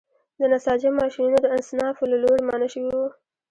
د نساجۍ ماشینونه د اصنافو له لوري منع شوي وو.